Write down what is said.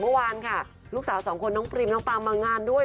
เมื่อวานค่ะลูกสาวสองคนน้องปรีมน้องปามมางานด้วย